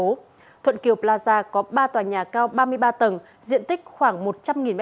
tòa nhà thuận kiều plaza có ba tòa nhà cao ba mươi ba tầng diện tích khoảng một trăm linh m hai